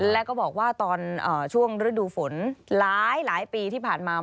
แล้วก็บอกว่าตอนช่วงฤดูฝนหลายปีที่ผ่านมา